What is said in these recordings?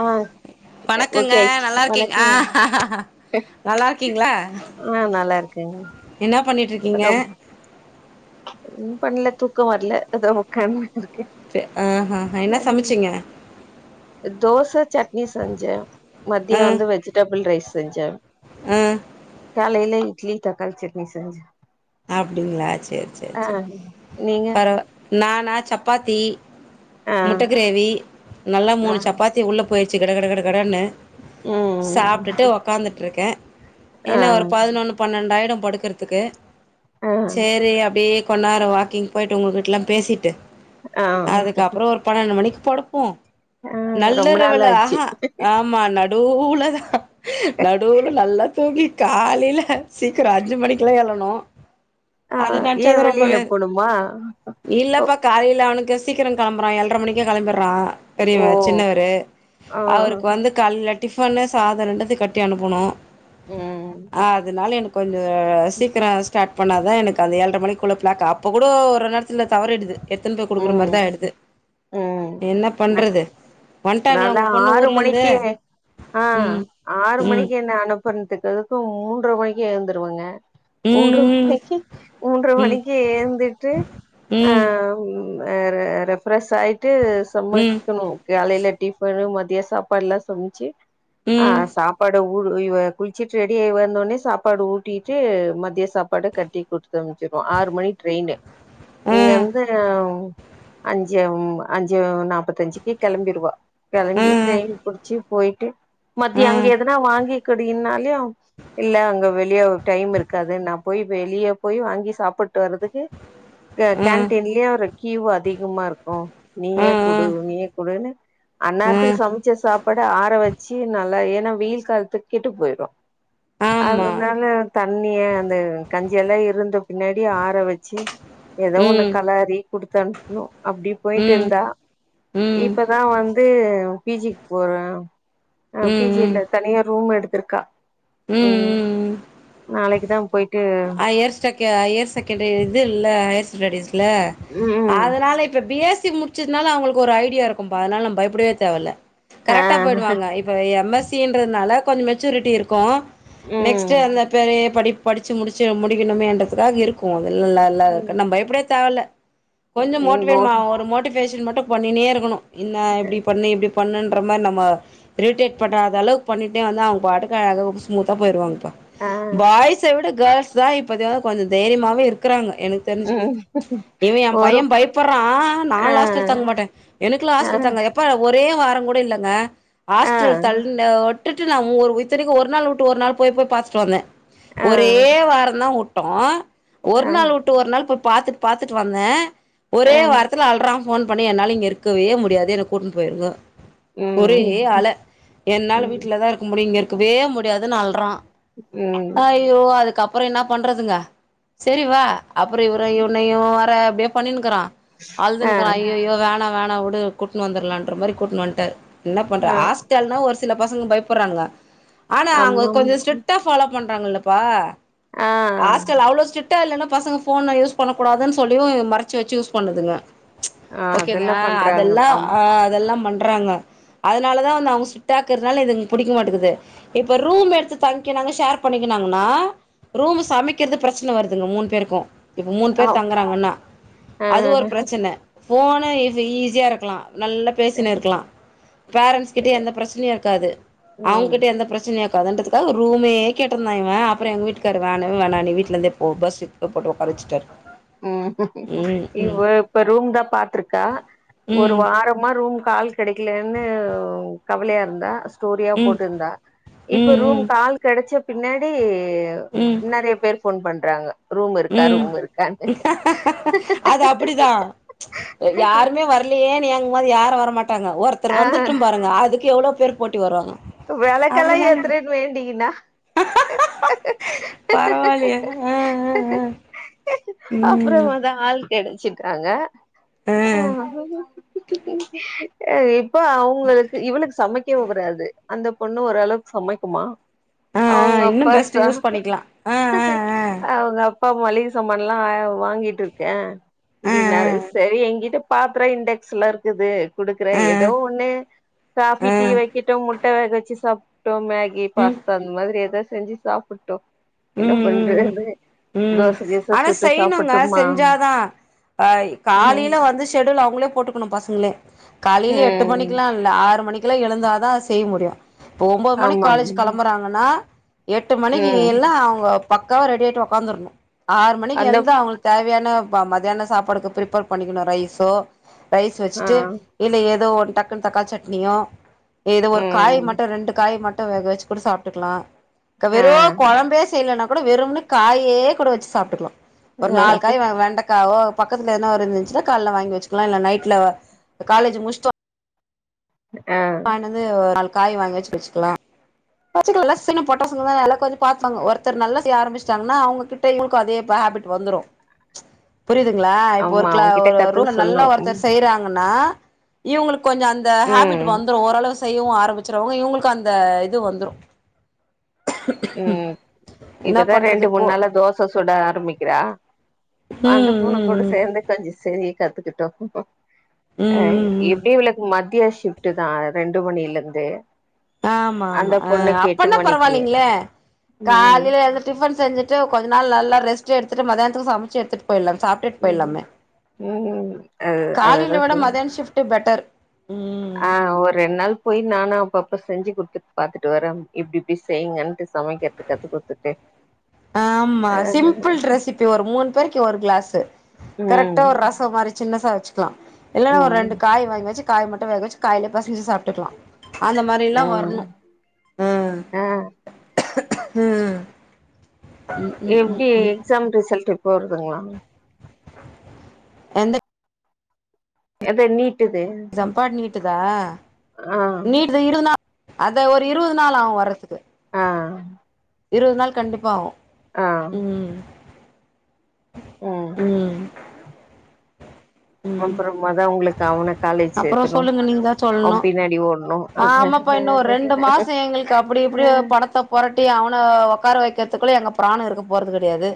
ஆ வணக்கங்க ஓகே ஆய்ச்சு நல்லா இருக்கீங் ஆ வணக்கங்க நல்லா ஆ நல்லா இருக்கங்க என்னா பண்ணிட்டுருக்கீங்க ஒன்னு பண்ணல தூக்கம் வரல அதா உட்காந்து ஹஹ என்ன சமைச்சீங்க தோச சட்னி செஞ்சே மதிய வந்து வெஜிடபிள் ரைஸ் செஞ்சே ம் காலைல இட்லி தக்காளி சட்னி செஞ்சே அப்படிங்களா செரி செரி ஆ செரி நீங்க பரவா நானா சப்பாத்தி ஆ முட்ட கிரேவி நல்லா ஆ மூணு சப்பாத்தி உள்ள போயிடுச்சு கட கட கட கடன்னு ம் சாப்பிட்டுட்டு ஒக்காந்துட்டுருக்கே ஆ என்னா ஒரு பதினொன்னு பன்னெண்டு ஆய்டு படுக்குறதுக்கு ஆ செரி அப்டியே கொஞ்ச நேர வாக்கிங் போயிட்டு உங்க கிட்டலா பேசிட்டு ஆ அதுக்கப்பற ஒரு பன்னெண்டு மணிக்கு படுப்போம் ஆ ரொம்ப நாள் நல்லறவில்ளா ஆச்சு ஆஹா ஆமா ந நடூல தா நடூல நல்லா தூங்கி காலையில சீக்கிர அஞ்சு மணிக்குலா எழணு ஆ அத ஏன் நினச்சாதா வெளியில ரொம்பவே போணுமா ஓ இல்லப்பா காலைல அவனுக்கு சீக்கிர கிளம்புறா ஏழ்ர மணிக்குளா கிளம்பிடுறா ஓ பெரியவன் சின்னவரு ஆ அவருக்கு வந்து காலைல டிஃபன்னு சாத ரெண்டுத்தை கட்டி அனுப்பணு ம் அதனால எனக்கு சீக்கிர ஸ்டார்ட் பண்ணா தான் எனக்கு அந்த ஏழ்ரை மணிக்குள்ள பிளாக் அப்போ கூட ஒரு நேரத்துல தவறிடுது எத்தினுபோய் கொடுக்குற மாரி ம் தா ஆயிடுது ம் என்ன நா பண்றது வன்ட்டாங்களா நான்லா உங்க பொண்ணு ஆறு ஊர்ல இருந்து மணிக்கு ஆ ஆறு மணிக்கு என்ன அனுப்புறனதுக்குதுக்கு மூன்ற மணிக்கே எழுந்துருவங்க மூன்ற ம் ம் மணிக்கு மூன்ற மணிக்கே ஏந்துட்டு அ ம் அ ரெப்ரேஷ் ஆகிட்டு ம் ம் சமைக்கணும் காலைல டிபன்னு மதிய சாப்பாடுல்லா சமைச்சு ஆ ம் சாப்பாடு இவ குளிச்சிட்டு ரெடி ஆகி வந்தோனே சாப்பாடு ஊட்டிட்டு மதிய சாப்பாடு கட்டி கொடுத்து து அனுஞ்சிப்போ ஆறு மணிக்கு ட்ரெயினு ஆ இங்கந்து அஞ்சும் அஞ்சு நாப்பத்தஞ்சுக்கு கெளம்பிடுவா ஆ கெளம்பி ட்ரெயின் ஆ புடிச்சு போயிட்டு ஆ மத்திய அங்க எதனா வாங்கிக்கடியின்னா ல்லயா இல்ல அங்க வெளிய டைம் இருக்காது நா போய் வெளிய போய் வாங்கி சாப்பிட்டு வர்றதுக்கு ங்க கேன்டீன்லயே கீவு அதிகமா இருக்கும் ஆ ஆ நீயே குடு நீ குடுன்னு ஆ அன்னாரத்துக்கு சமைச்ச சாப்பாடு ஆற வச்சு நல்லா ஏன்னா வெயில் காலத்துக்கு கெட்டு போயிடும் ஆமா அதனால தண்ணிய அந்த கஞ்சி எல்லா இருந்த பின்னாடி ஆற வச்சி ஏதோ ஒண்ணு ம் கலறி குடுத்து அனுப்பணு அப்படி போயிட்டு ம் இருந்தா ம் இப்பதா வந்து பிஜிக்கு போற ம் ஆ ம் பிஜில்ல தனியா ரூம் எடுத்திருக்கா ம் ம் ம் நாளைக்கு தா போயிட் ஹையர் செக்கி ஹையர் செகண்டரி இது இல்ல ஹையர் ஸ்டரெடிஸ் ல ம் ம் அதனால இப்ப வீக்ஸ் தி முடிச்சதுனால அவங்களுக்கு ஒரு ஐடியா இருக்கும்பா அதனால நம் பயப்படவே தேவல்ல ஆ கரெக்டா போயிடுவாங்க இப்ப எம்எஸ்சின்றதுனால கொஞ்ச மெச்சூரிட்டி இருக்கு நெக்ஸ்ட் ம் அந்த பெரய படிப் படிச்சு முடிச்சு முடிக்கணுமேன்றதுக்காக இருக்கு இல்ல இல்ல இருக் ம் நம்ம பயப்படியே தேவல்ல கொஞ்ச ம் ஓ மோட்டிவேட் ம ஒரு மோட்டி வேஷன் மட்டு பண்ணிணே இருக்கணு என்ன இப்டி பண்ணு இப்டி பண் பண்ணுன்ற மாதிரி நம்ம ரிடேட் பண்னாத அளவு பண்ணிட்டே வந்து அவங்க பாட்டுக்கு அழகா ஸ்மூத்தா போயிருவாங்கப்பா ஆ பாய்ஸ விட கேர்ள்ஸ் தா இப்பதா கொஞ்ச தைரியமாவே இருக்குறாங்க எனக்கு தெரிஞ்சு ம் இவ எ பைய ஒரு பயப்படுறா நா ஆ லாஸ்ட தங்க மாட்டே எனக்குல்லா ஆ ஹாஸ்ட்ட தங்கா எப்ப ஒரு ஒரே வாரங்கூட இல்லங்க ஆ ஹாஸ்டல் தள்ன உட் டுட்டு நா ஒரு இத்தனைக்கு ஒரு நாள் விட்டு ஒரு நாள் போய் போய் பார்த்துட்டு வந்தே ஆ ஒரே வார வுட்டோ ஒரு ஆ நாள் வுட்டு ஒரு நாள் போய் பாத்துட்டு பாத்துட்டு வந்த ஆ ஒரே வாரத்துல அல்றா போன் பண்ணி என்னால இங்க இருக்கவே முடியாது என்ன கூட்டின்னு போயிருங்க ஒரே ம் அலை என்னால ம் வீட்டுலதா இருக்க முடியு இங்க இருக்கவே முடியாதுனு அள்றா உம் அப்புறோ என்ன பண்றதுங்க செரிவா அப்புறோ இவர இவனையு வர அப்டினு பண்ணினுக்கறா ஆ அழுதுன்னுருக்கா ஐயோய்யோ வேணா வேணா வுடு கூட்டுனு வந்தர்லா மாரி கூட்னு வன்ட்டாரு என்ன பண்ற ஆ ஹாஸ்டல்னா ஒரு சில பசங்க பயப் கூப்றாங்க ஆனா அவுங்க ஆமாம் கொஞ்சோ ஸ்ட்க்டா பாலோ பண்றாங்கல்லப்பா ஆ ஆஸ்ட்டல் அவ்ளோ சிட் ட்டா இல்லைன்னா பசங்க போன்லா யூஸ் பண்ணக்கூடாதுன்னு சொல்லியு மறைச்சு வச்சு யூஸ் பண்ணதுங்க ஆ ஓகேதா அதெல்லா பண்றாங்க அதெல்லா அம் ஆ அதெல்லா பண்றாங்க அதனால தா வந்து அவுங்க சிட்ரிட்டா இருக்கறதுனால இதுங்ளுக்கு பிடிக்கமாட்டகிது இப்ப ரூம் எடுத்து தங்கி நாங்க ஷேர் பண்ணிக் னாங்கன்னா ரூம் சமைக்கிறது பிரச்சன வருதுங்க மூணு பேருக்கு இப்ப மூணு ஆ பேர் தங்குறாங்கன்னா அது ஒரு பிரச்சன போனா ஈஸி ஈஸியா இருக்கலா நல்லா பேசிட்னு இருக்கலா பேரண்ட்ஸ்கிட்டயு எந்த பிரச்சனையு இருக்காது ம் அவுங்ககிட்ட எந்த பிரச்சனையு இருக் கதன்டுதுக்காக ரூமேயே கேட்டிருந்தா அப்புறோ எங்க வீட்டுக் க்காரு வேணவே வேணா நீ வீட்டுல இருந்தே போ பஸ் போட்டு உக்காரச்சுட்டரு உம் இ இப்ப ரூம் தா பாத்துருக்கா ஒரு ம் வாரமா ரூம் கால் கெடைக்கலன்னு கவலையா இருந்தா ஸ்டோரியா ம் போட்டுருந்தா இப்ப ம் ரூம்க் ஆள் கெடைச்ச பின்னாடி ம் ம் கெ நெறைய பேர் போன் பண்றாங்க ரூம் இருக்கா ம் ரூம் இருக் அது அப்டிதா யாருமே வரலையே ருக்குமொது யாரு வர மாட்டாங்க ஒருத்தர் ஆ வந்துட்டும் பாருங்க அதுக்கு எவ்ளோ பேர் போட்டி வருவாங்க வெளக்கெல்லா ஏத்துறன்னு வேண்டீங்கன்னா பரவாலயே ஹா ஹா ஹான் அப்புறோமாத ஆள் கெடச்சட்டாங்க ஆ ஆ இப்ப அவுங்களுக்கு இவனுக்கு சமைக்கவு வராது அந்த பொண்ணு ஓரளவுக்கு சமைக்குமா ஆ ஆ அவுங்க இன்னு அப்பா பெஸ்ட் சா யூஸ் பண்ணிக்கலா ஆ ஆ ஆ அவுங்க அப்பா மளிகை சாமான் லா வாங்கிட்டு இருக்கே ஆ இப்டிநாரு செரி என்கிட்ட பாத்துரோ இண்டெக்ஸ்ல இருக்குது குடுக்குற ஆ ஏதோ ஒண்ணு காபி ஆ ஆ டீ வைக்கட்டு முட் ட வேக வச்சு சாப்பட்டோ மேகி ம் பாஸ்தா அந்த மாரி எதாது செஞ்சு சாப்பட்டோ ம் என்ன ம் பண்றது ம் ம் தோசை கிச சுட்டு சாப்பட்டுமா ஆ காலையில வந்து செடூல் அவுங்களே போட்டுக்கணு பசங்களே காலையையில் எட்டு ம் மணிக்கெல்லா இல்ல ஆறு மணிக்கெல்லா எழுந்தா தா செய்ய முடியு இப்போ ஒன்பது மணிக்கு ஆமாம் காலேஜ் கெளம்புறாங்கன்னா எட்டு மணிக்கு ம் அவுங்க பக்காவ ரெடி ஆய்ட்டு உக்காந்துருணு ஆறு மணிக்கு அந்த எழுந்து அவுங்ளுக்கு தேவையான மத்தியான சாப்பாடுக்கு பிரிப்பேர் பண்ணிக்கணு ரைஸோ ரைஸ் வச்சுட்டு ஆ இல்ல ஏதோ ஒன் டக்குனு தக்காளி சட்னியோ ஏதோ ஒரு காய் ம் மட்டு ரெண்டு காய் மட் டு வேக வச்சு கூட சாப்ட்டுக்கலா ஆ வெரூ செய்யலனா கூட வெறும்ன காயே கூட வச்சு சாப்ட்டுக்கலா ஒரு நாலு காய் வெண்டக் ங்கவோ பக்கத்துல எதுன இருந்துச்சுன்னா காலைல வாங்கி வச்சுக்கலா இல்ல நைட்ல காலேஜ் முட்சு ஆ டு வந்து ஒரு நாள் காய் வாங்க வச்சு வச்சுக்கலா [unintelligible] பொட்டாசுங்க எல்லா கொஞ்ச பாத்துகுவாங்க ஒருத்தர் நல்லா செய்ய ஆரம்பிட்ச்டாங்கன்னா அவுங்ககிட்யு இவளுக்கு அதே பாத் ஹேபிட் வந்துரு புரியுதுங்களா இப்போ ஒரு ஆமா க அவங்கிட்ட ஒரு கத்துக்க ரூம்ல சொல்ணு நல்லா ம் ஒருத்தர் செய்றாங்கன்னா இவுங்ளுக்கு கொஞ்சோ அந்த ஹேபிட் ம் வந்துரு ஓரளவு செய்யவு ஆரம்பிச்சுறுவங்க இவுங்களுக்கு அந்த இது வந்துரு உம் என்ன இப்பதா பண்றது ரெண்டு மூணு கோ நாளா தோசை சுட ஆரம்பிக்கிறா அந்த ம் பூன ம் கூட சேந்து கொஞ்சோ செய் கத் கிட்டாம் ம் ம் ம் ம் எப்டி விவளக்கு மத்திய ஷிப்ட் தா ரெண்டு மணிலந்து ஆமா ஆமா ஆ அப்பனா மணிக்கு பரவாயில்லைங்களே ம் காலையில எந்து டிஃபன் செஞ்சுட்டு கொஞ்ச நாள் நல்லா ரெஸ்ட் எடுத்துட்டு மதியானத்துக்கு சமைச்சு எடுத்துட்டு போய்டலாமே சாப்ட்டுட்டு ம் போய்லாமே ம் அது அததா காலில விட செய் மத்தியான ஷிப்ட் பெட்டர் ஆ ம் ஒரு ரெண்ட் நாள் போய் நானு அப்ப அப்ப செஞ்சு கொடுத்துட்டு பாத்துட்டு வரே இப்டி இப்டி செய்யுங்கன்னுட்டு சமைக்கிறத கத்து கொடுத்துட்டு ஆமா சிம்பிள் ரெசிபி ஒரு மூணு பேருக்கு ஒரு கிளாசு ம் கரெக்டா ஒரு ரசம் மாரி சின்ன வச்சக்கலா இல்லன்னா ஒரு ம் ரெண்டு காய் வாங்கி வச்ச காய் மட்டு வேக வச்சு காய்ல பசஞ்சு சாப்ட்டுக்கலா அந்த மாரில்லா ம் வரணு ம் ஆ ம் ம் ம் ம் எப்டி ம் எக்ஸாம் ரிசல்ட் எப்போ வருதுங்களா எந்த எத நீட்டுது விட்டுதா நீட்டு இருவது நாள் அத ஒரு இருஸது நாள் ஆகு வர்றதுக்கு ஆ ஆ இருவது நாள் கண்டிப்பாகு ஆ ம் ம் அப்புறம தா உங்களுக்கு அவன அப்புறோ காலேஜ்சேத்தணு சொல்லுங்க நீங்கதா சொல்ணு அவபின்னாடி ஓட்ணு இப்படிய பணத்தை பொரட்டி அவனை உட்கார வைக்கிறதுக்குள்ள எங்க பிராண இருக்க போறது கடையாது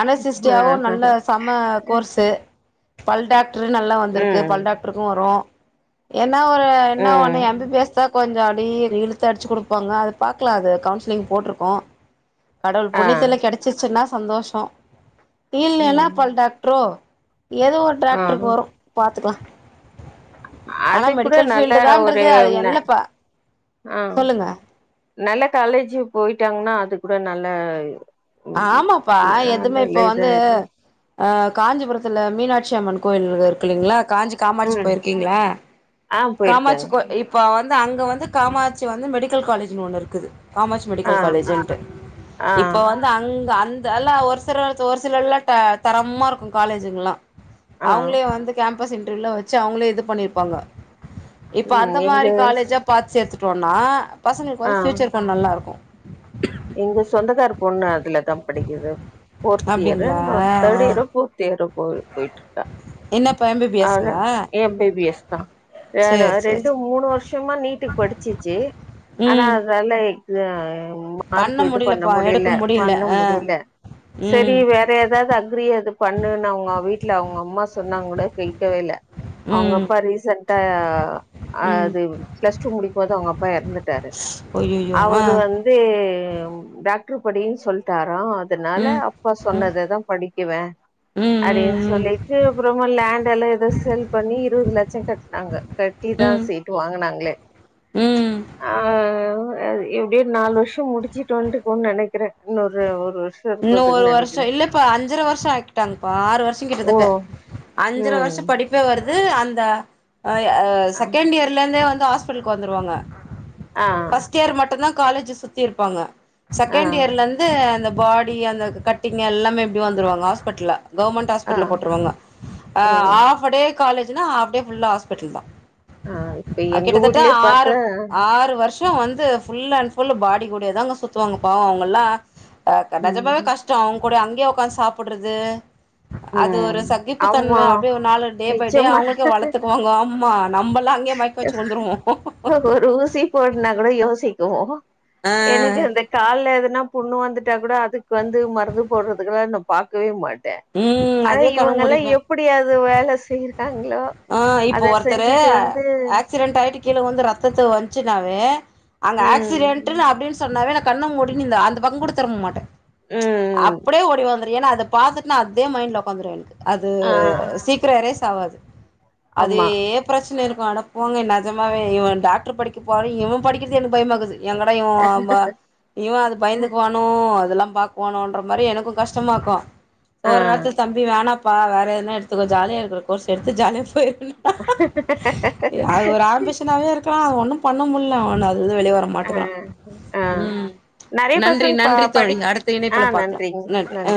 அனசிஸ்டியாவு நல்ல செம கோர்ஸு பல்டாக நல்லா வந்துருக்கு பல் ம் டாக்ட்ருக்கு வரு என்ன ஒரு என்ன ஒன்னு எம்பிபிஎஸ் தா கொஞ்ச அடி இழுத்து அடிச்சு கொடுப்பாங்க அது பாக்கலா அது கவுன்சிலிங் போட்ருக்கோ கடவுள் ஆ புண்ணியத்துல கடைச்சிச்சுன்னா சந்தோஷ இல்லைன்னா ம் பல் டாக்ட்ரோ எதோ ஒரு ஆ டிரராக்ட்ருக்கு வரு பாத்துக்கலா ஆனா அது கூூட மெடிக்கல் நல்ல ஃபீல்டு ஒரு தான்றது அது என்ன எல்லப்பா ஆ சொல்லுங்க நல்ல காலேஜ் போயிட்டாங்கன்னா அது கூட நல்ல ம் ஆமாப்பா எதுமே நல்ல இப்போ இது வந்து இது அ காஞ்சிபுரத்துல மீனாட்சி அம்மன் கோயில் இருக்கு இல்லலைங்களா காஞ்சி காமாட்சி ம் போயிருக்கீங்களா ஆ காமாட்சி போயிருக்காங்க இப்ப வந்து அங்க வந்து காமாட்சி வந்து மெடிக்கல் காலேஜ்னு ஒண்ணு இருக்குது காமட்சி ஆ மெடிக்கல் காலேஜ்ட்டு ஆ இப்போ வந்து அங்க அந்த எல்லா ஒரு சில ஒரு சிலல்லா தரமா இருக்கு காலேஜுங்கல்லா ஆ அவங்களே வந்து கேம்பஸ் இன்டர்வியூல வச்சு அவங்களே இது பண்ணிருப்பாங்க இப்ப ம் அந்த எங்க மாரி காலேஜா பாத்து சேத்துட்டோனா பசங்களுக்கு ஆ வந்து ஃபியூச்சர் கொஜ் நல்லா இருக்கு எங்க சொந்தக்கார பொண்ணு அதுலதா படிக்குது போர்த் இயரு அப்டிங்களா ஆ தேர்ட் ஆ இயரோ போர்த் இயரோ போயி போயிட்டு இருக்கா என்னப்பா அதா எம்பிபிஎஸ்ங்களா எம்பிபிஎஸ் தா சேரி சேரி ரெண்டு சேரி மூணு வருஷமா நீட்டுக்கு படிச்சிச்சு ஆனா ம் அதால எக் மார்க்கு இது பண்ண முடியலப்பா எடுக்க முடியல பண்ண ஆ முடியல சரி ம் வேற எதாவது பண்ணு அவங்க வீட்ல அவங்க அம்மா சொன்னாங்க கூட கேக்கவே இல்ல அவங்க ம் அப்பா ரீசன்ட் டா ம் அது பிளஸ் டூ முடிக்கும்பது அவங்க ப்ப எறந்துட்டாரு அய்யய்யோ ஆ அவரு வந்து டாக்டர் படின்னு சொல்ட்டாரா அதனால ம் அப்பா ம் சொன்னததா படிக்குவே ம் ம் அப்டின்னு ம் சொல்லிட்டு அப்புறமா லேண்ட் எல்லா ஏதோ சேல் பண்ணி இருவது லட்ச கட்னாங்க கட்டி தான் ம் சிட்டு வாங்கினாங்களே ம் ஆ எப்டிய ஒரு நாலு வருஷம் முடிச்சு [unintelligible] நெனைக்குறே இன்னொன்னு இன்னு ஒரு வருஷோ இல்லப்பா அஞ்சர வருஷோ ஆக்கிட்டாங்கப்பா ஆறு வருஷோ ஓ கிட்டத்தட்ட அஞ்சர வருஷோ ம் படிப்பே வர் ந்து அந்த அ ஏ ஆ செகண்ட் இயர்லேந்தே வந்து ஹாஸ்பிட்லுக்கு வந்துருவாங்க ஃபஸ்ட் இயர் மட்டு தா காலேஜூ சுத்தி இருப்பாங்க ஆ செகண்ட் இயர்லேந்து அந்த பாடி டி அந்த கட்டிங் எல்லாமே இப்டி வந்துருவாங்க ஹாஸ்பிட்ல்ல கவுவர்மெண்ட் ஆ ஹாஸ்பிட்டல்ல போட்ருவாங்க ஆ ஓ ஆஃப டே காலேஜ்னா ஆஃப் டே ஃபுல்லா ஹாஸ்பிட்டல் தா ஆ இப்ப அ எங்க கிட்டத்தட்ட ஊர்லயே ஆறு பாத்தா ஆறு வர்ஷ் மா வந்து ஃபுல் அண்ட் ஃபுல் பாடி கூடயே தாங்க சுத்துவாங்க பாவோ அவங்கல்லா ஆ நெஜமாவே ம் கஷ்டோ அவுங் கூட அங்கே ஒக்காந்து சாப்புட்றது அது ஒரு ம் சகிப்பு ஆமா தன்ம அப்டி ஒரு நாளு டே பை டே நிச்சயமா அவுங்களுக்கே வளத்தக்குவாங்க ஆம்மா நம்பல்லா அங்கேயே மயக்க வச்சு விழுந்துருவோ ஒரு ஊசி போட்னா கூட யோ [unintelligible] ஆ எனக்கு இந்த கால்ல எதுனா புண்ணு வந்துட்டா கூட அதுக்கு வந்து மருந்து போட்றதுக்குலா நா பாக்கவே மாட்டே ம் அது அதுவே கண்ண இவங்கலா மூடிப்பே எப்டி அது வேல செய் ஆ இப்ப ஒருத்தரு வந்து ஆக்சிடென்ட் ஆயிட்டு கீழ உழுந்து ரத்தத்த வந்துச்சுனாவே அங்க ஆக்சிடெட்ன்னு ம் அப்டின் சொன்னாவே நா கண்ணமூடினு இந் அந்த பக்கோ கூட திர்ப மாட்ட ம் அப்டே ஓடி வந்துரு ஏனா அத பாத்துட் னா அதே மைண்ட்ல ஒக்காந்துர வேண் அது ஆ சீக்ரோ எரேஸ் ஆவாது அது ஆமா ஏ பிரச் குனு இருக்கு அட போங்க நெஜமவே இவ டாக்ட்ரு படிக்க போரு இவ படிக்கது எனக்கு பயமாக்குது எங்கட இவ வ்வ இவ பயந்துக்குவானோ அதெல்லா பாக்குவானோன்ற மாரி எனக்கு கஷ்டமாக்கு ஒ ஆ ஒர் நேரத்துல தம்பி வேணா ப்பா வேற எதுனா எடுத்துக்கோ ஜாலியா இருக்குற கோர்ஸ் எடுத்து ஜாலியா அது ஒரு ஆம்பிஷனாவே இருக்குறா அது ஒன்னு பண்ண முல்ல அவன அது தா வெளிய வர ஆ மாட்டுக்குறா ஆ ம் நெறைய நன்றி பசங்க ப நன்றி தோழி படி அடுத்த ஆ இணைப்புல பாக்லா நன்றிங்க நன்றி ஆ